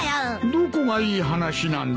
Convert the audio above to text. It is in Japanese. どこがいい話なんだ？